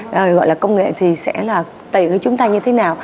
rồi gọi là công nghệ thì sẽ là tùy hữu chúng ta như thế nào